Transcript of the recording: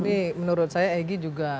ini menurut saya egy juga